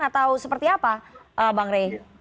atau seperti apa bang rey